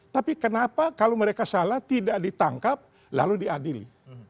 tapi kenapa kalau mereka salah tidak ditangkap lalu diadili